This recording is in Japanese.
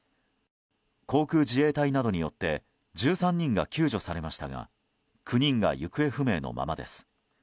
航空自衛隊などによって１３人が救助されましたが９人が行方不明のままです。